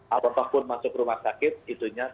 apapun masuk rumah sakit